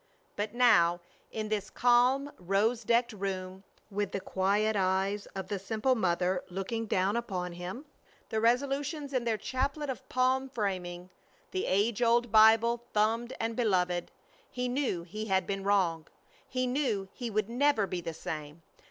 But now in this calm, rose decked room, with the quiet eyes of the simple mother looking down upon him, the resolutions in their chaplet of palm framing, the age old Bible thumbed and beloved, he knew he had been wrong. He knew he would never be the same.